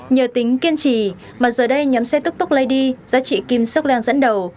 nhờ tính kiên trì mà giờ đây nhóm xe túc túc lady giá trị kim seok lang dẫn đầu